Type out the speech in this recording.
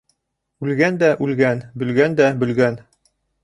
Үлгән дә үлгән, бөлгән дә бөлгән.